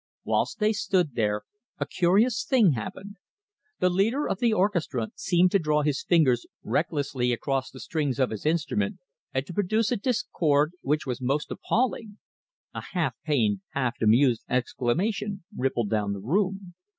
Whilst they stood there, a curious thing happened. The leader of the orchestra seemed to draw his fingers recklessly across the strings of his instrument and to produce a discord which was almost appalling. A half pained, half amused exclamation rippled down the room.